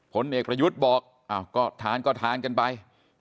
ผลเอกประยุทธ์บอกก็ทานก็ทานกันไป